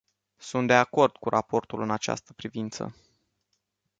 Sunt de acord cu raportorul în această privință.